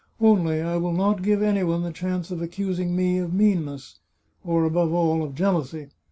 Only I will not give any one the chance of accusing me of meanness, or, above all, of jealousy.